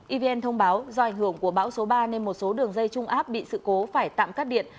evn thông báo do ảnh hưởng của bão số ba nên một số đường dây trung áp bị sự cố phải tạm cắt điện